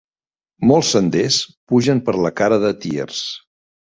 Molts senders pugen per la cara de Tiers.